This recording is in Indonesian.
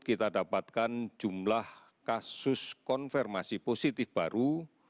kita dapatkan jumlah kasus konfirmasi positif baru